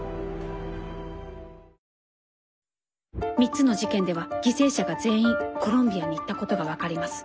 ３つの事件では犠牲者が全員コロンビアに行ったことが分かります。